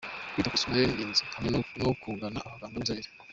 Kwita ku isuku yayo ni ingenzi, hamwe no kugana abaganga b’inzobere.